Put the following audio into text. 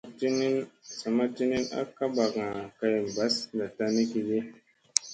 Sa ma tinin a ka ɓakŋa kay mbas ndattana ni ki ge.